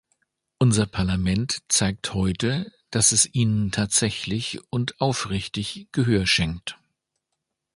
Unser Parlament zeigt heute, dass es ihnen tatsächlich und aufrichtig Gehör schenkt.